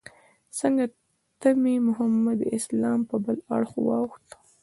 څنګ ته مې محمد اسلام په بل اړخ واوښت.